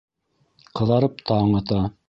Ҡыҙарып таң ата.